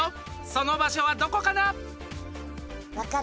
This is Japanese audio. その場所はどこかな？